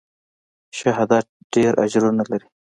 شهادت ډېر اجرونه لري.